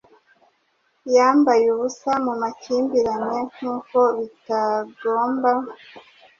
Yambaye ubusa mu makimbirane nkuko bitagomba